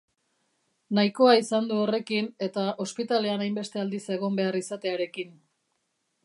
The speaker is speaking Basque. Nahikoa izan du horrekin eta ospitalean hainbeste aldiz egon behar izatearekin.